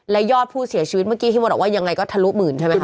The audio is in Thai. และยอดผู้เสียชีวิตเมื่อกี้พี่มดบอกว่ายังไงก็ทะลุหมื่นใช่ไหมค